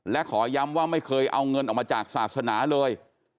และขอย้ำว่าไม่เคยเอาเงินออกมาจากศาสนาเลย